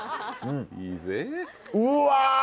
うわ！